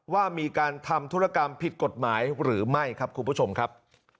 ว่ามีการทำธุรกรรมผิดกฎหมายหรือไม่ครับคุณผู้ชมครับ